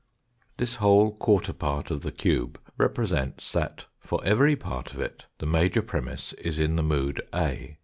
This whole quarter part of the cube represents that for every part of it the major premiss is in the mood A.